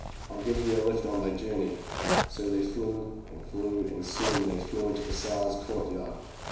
FU give thee a lift on thy journey/' So they flew and flew and soon they flew into the Tsar's court yard.